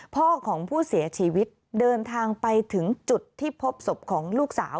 พ่อของผู้เสียชีวิตเดินทางไปถึงจุดที่พบศพของลูกสาว